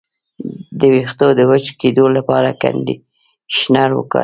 د ویښتو د وچ کیدو لپاره کنډیشنر وکاروئ